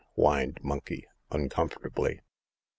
whined Monkey, uncomfortably.